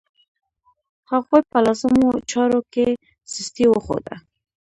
هغوی په لازمو چارو کې سستي وښوده.